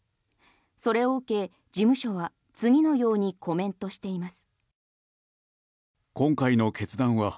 それを受け事務所は次のようにコメントしています。